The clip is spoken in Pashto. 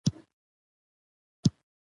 هندوکش د هېواد د صادراتو برخه ده.